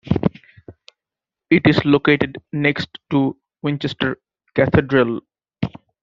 It is located next to Winchester Cathedral.